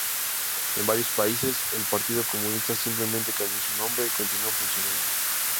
En varios países, el partido comunista simplemente cambió su nombre y continuó funcionando.